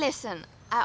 dan dengar nih